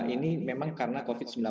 ini memang karena covid sembilan belas